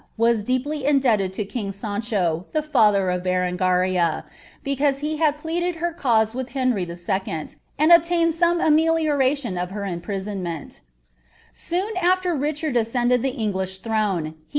was deeply indebted to kin^ Sancho. the fiilher of Bereiigaria. bocaUM ho had pleaded hercMK with Henry II.. and obtained aomp ameliomiion of her impriHonnifliL Soon afier Rirliard ascended the English throne, he